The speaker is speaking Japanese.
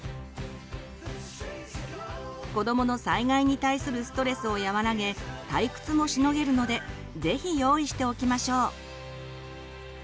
子どもの災害に対するストレスを和らげ退屈もしのげるので是非用意しておきましょう。